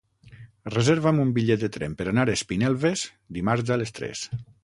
Reserva'm un bitllet de tren per anar a Espinelves dimarts a les tres.